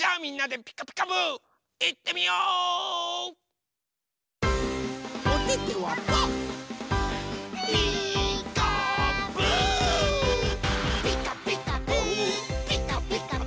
「ピカピカブ！ピカピカブ！」